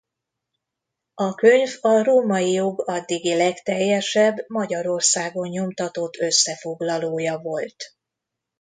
A könyv a római jog addigi legteljesebb Magyarországon nyomtatott összefoglalója volt.